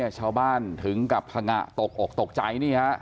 ชาวบ้านถึงกับผงะตกออกตกใจ